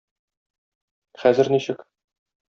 Хәзер ничек?